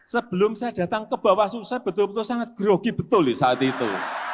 sebelum saya datang ke bawah selu saya betul betul sangat gerogi betul saat itu